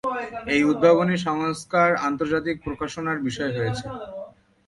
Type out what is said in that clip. এই উদ্ভাবনী সংস্কার আন্তর্জাতিক প্রকাশনার বিষয় হয়েছে।